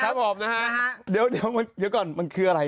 ครับผมนะฮะเดี๋ยวก่อนมันคืออะไร